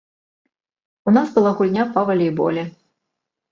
У нас была гульня па валейболе.